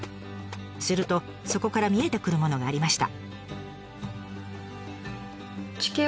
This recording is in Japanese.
するとそこから見えてくるものがありました。